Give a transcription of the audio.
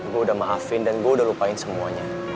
gue udah maafin dan gue udah lupain semuanya